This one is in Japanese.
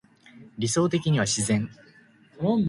理想的には自然